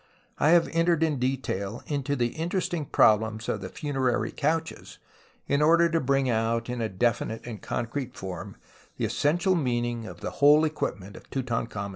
I Jiave entered in detail into the interesting problems of the funerary couches in order to bring out in a definite and concrete form tlie essential meaninof of the whole equipment of Tutankhamen's tomb.